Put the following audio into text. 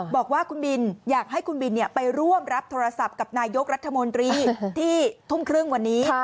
บอกว่าคุณบินอยากให้คุณบินไปร่วมรับโทรศัพท์กับนายกรัฐมนตรีที่ทุ่มครึ่งวันนี้